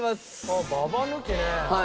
ああババ抜きね。